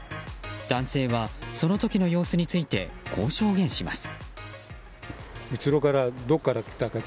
男性はその時の様子についてこう証言します。